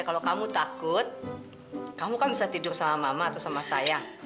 kalau kamu takut kamu kan bisa tidur sama mama atau sama saya